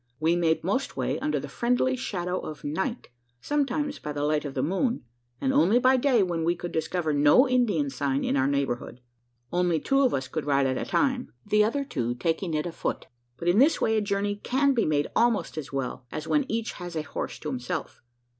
We made most way under the friendly shadow of night sometimes by the light of the moon and only by day, when we could discover no Indian sign in our neighbourhood. Only two of us could ride at a time the other two taking it afoot; but in this way a journey can be made almost as well, as when each has a horse to himself.